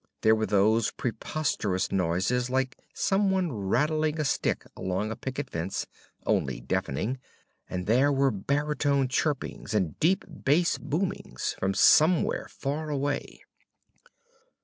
There were those preposterous noises like someone rattling a stick along a picket fence only deafening and there were baritone chirpings and deep bass boomings from somewhere far away.